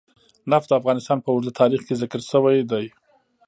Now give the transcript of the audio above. نفت د افغانستان په اوږده تاریخ کې ذکر شوی دی.